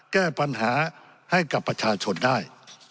แก้ปัญหาให้กับประชาชนได้